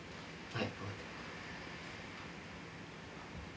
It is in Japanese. はい。